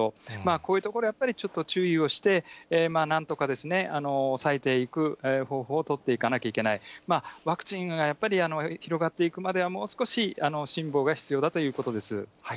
こういうところ、やっぱりちょっと注意をして、なんとか抑えていく方法を取っていかなきゃいけない、ワクチンがやっぱり広がっていくまでは、もう少し辛抱が必要だということです。